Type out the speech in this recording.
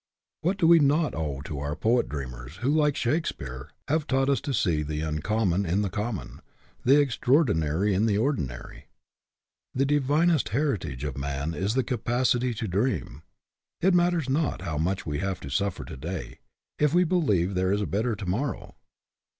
What do we not owe to our poet dreamers, who like Shakespeare, have taught us to see the uncommon in the common, the extraor dinary in the ordinary? The divinest heritage of man is the capacity to dream. It matters not how much we have to suffer to day, if we believe there is a better to morrow.